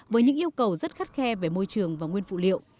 với những yêu cầu rất khắt khe về môi trường và nguyên phụ liệu